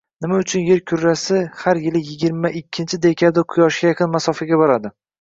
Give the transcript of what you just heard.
Nima uchun Yer kurrasi har yili yigirma ikkinchi dekabrda Quyoshga yaqin masofaga boradi